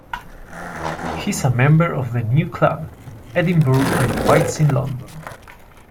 He is a member of the New Club, Edinburgh and Whites in London.